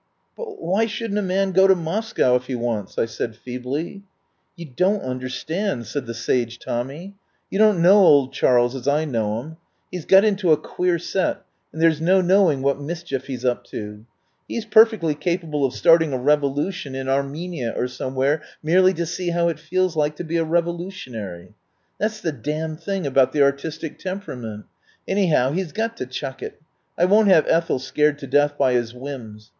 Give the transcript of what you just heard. "But why shouldn't a man go to Moscow if he wants?" I said feebly. "You don't understand," said the sage Tom my. "You don't know old Charles as I know him. He's got into a queer set, and there's no knowing what mischief he's up to. He's perfectly capable of starting a revolution in 21 THE POWER HOUSE Armenia or somewhere merely to see how it feels like to be a revolutionary. That's the damned thing about the artistic temperament. Anyhow, he's got to chuck it. I won't have Ethel scared to death by his whims.